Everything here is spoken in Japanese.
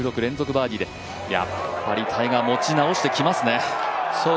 バーディーでやっぱりタイガー持ち直してきますね。